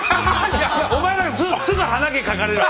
お前なんかすぐ鼻毛描かれるわ。